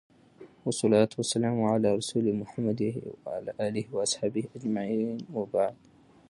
والصلوة والسلام على رسوله محمد وعلى اله واصحابه اجمعين وبعد